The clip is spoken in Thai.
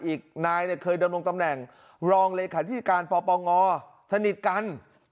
อีกนายเคยดำรงตำแหน่งรองเลขาธิการปปงสนิทกัน